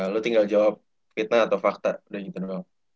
lu tinggal jawab fitnah atau fakta udah kita jawab